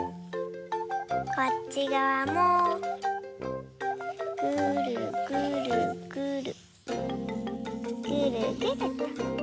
こっちがわもぐるぐるぐるぐるぐると。